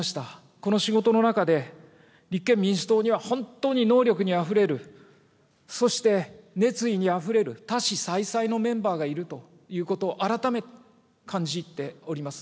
この仕事の中で、立憲民主党には本当に能力にあふれる、そして熱意にあふれる、多士済々のメンバーがいるということを改めて感じております。